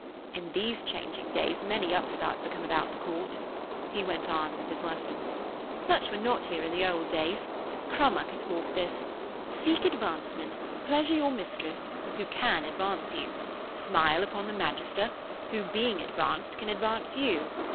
'In these changing days many upstarts are come about the Court,' he went on with his lesson. 'Such were not here in the old days. Crummock hath wrought this. Seek advancement; pleasure your mistress, who can advance you; smile upon the magister, who, being advanced, can advance you.